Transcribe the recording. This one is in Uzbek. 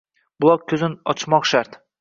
Buloq ko‘zin ochmoq shart.